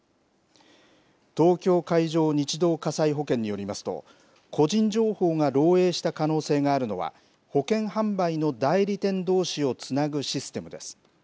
東京海上日動火災保険によりますと、個人情報が漏えいした可能性があるのは、保険販売の代理店どうしをつなぐシステムです。